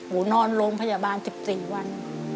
นอนโรงพยาบาล๑๔วัน